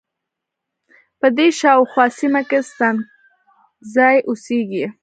په دې شا او خواه سیمه کې ستانکزی اوسیږی.